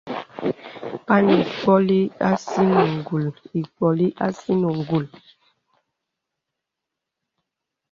Pan ì mpkōlī a sì nə ngùl.